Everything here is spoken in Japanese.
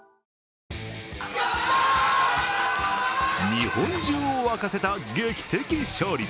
日本中を沸かせた劇的勝利。